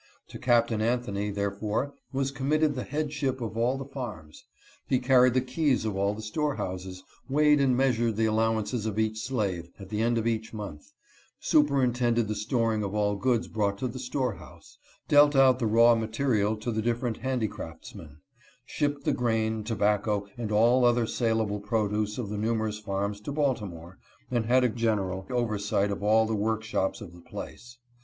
To Captain Anthony, therefore, was committed the headship of all the farms. He carried the keys of all the store houses, weighed and measured the allowances of each slave, at the end of each month ; superintended the storing of all goods brought to the store house ; dealt out the raw ma terial to the different handicraftsmen ; shipped the grain, tobacco, and all other saleable produce of the numerous farms to Baltimore, and had a general oversight of all the workshops of the place.